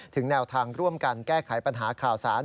แนวทางร่วมกันแก้ไขปัญหาข่าวสาร